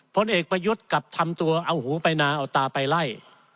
ผลเอกประยุทธ์กลับทำตัวเอาหูไปนาเอาตาไปไล่